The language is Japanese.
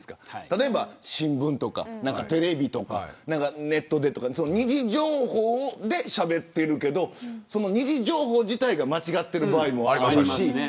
例えば新聞とかテレビとかネットでとか２次情報でしゃべっているけどその２次情報自体が間違っている場合もありますし。